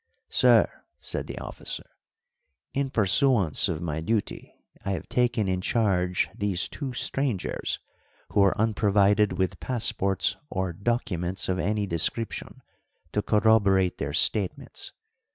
"Sir," said the officer, "in pursuance of my duty I have taken in charge these two strangers, who are unprovided with passports or documents of any description to corroborate their statements.